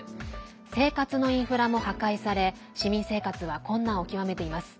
生活のインフラも破壊され市民生活は困難を極めています。